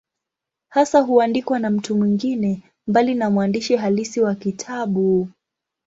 Hasa huandikwa na mtu mwingine, mbali na mwandishi halisi wa kitabu.